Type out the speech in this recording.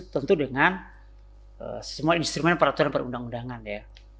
tentu dengan semua instrumen peraturan perundang undangan ya